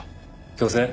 強制？